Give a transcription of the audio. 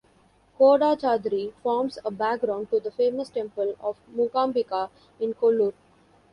Kodachadri forms a background to the famous temple of Mookambika in Kollur.